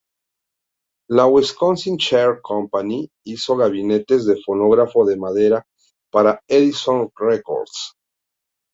La Wisconsin Chair Company hizo gabinetes de fonógrafo de madera para Edison Records.